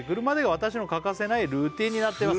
「私の欠かせないルーティンになっています」